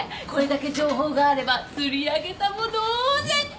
これだけ情報があれば釣り上げたも同然！